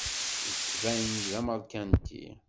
Yettban-d d ameṛkanti.